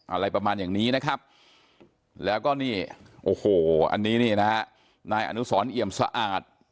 อะไรประมาณอย่างนี้นะครับแล้วก็นี่โอ้โหอันนี้นี่นะฮะนายอนุสรเอี่ยมสะอาด